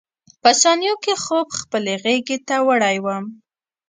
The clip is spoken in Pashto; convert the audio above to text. په ثانیو کې خوب خپلې غېږې ته وړی وم.